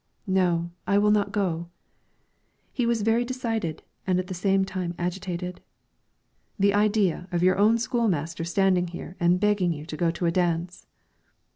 "No, I will not go." He was very decided and at the same time agitated. "The idea of your own school master standing here and begging you to go to a dance."